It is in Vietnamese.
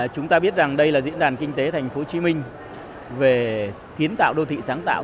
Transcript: chúng ta biết rằng đây là diễn đàn kinh tế thành phố hồ chí minh về kiến tạo đô thị sáng tạo